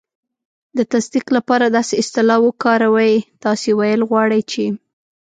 د تصدیق لپاره داسې اصطلاح وکاروئ: "تاسې ویل غواړئ چې..."